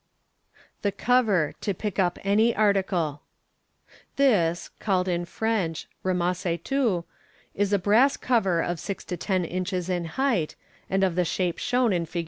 The Cover, to fi^a up any Article. — Thi; (cafled in French "r amass e touf) is a brass cover of six to ten inches in height, and of the shape shown in Fig.